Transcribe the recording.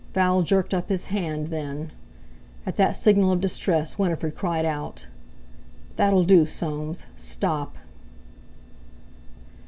Val jerked up his hand, then. At that signal of distress Winifred cried out: "That'll do, Soames—stop!"